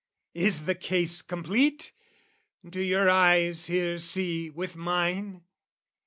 Is the case complete? Do your eyes here see with mine?